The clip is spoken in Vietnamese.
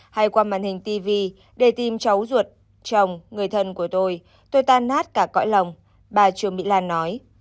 hay qua màn hình tv để tìm cháu ruột chồng người thân của tôi tôi tan nát cả cõi lòng bà trương mỹ lan nói